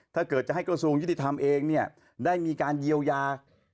ถ้าเกิดจะให้กระทรวงยุติธรรมเองได้มีการเยียวยา